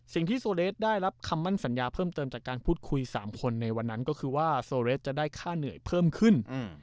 สิ่งที่โซเลสได้รับคำมั่นสัญญาเพิ่มเติมจากการพูดคุย๓คนในวันนั้นก็คือว่าโซเรสจะได้ค่าเหนื่อยเพิ่มขึ้น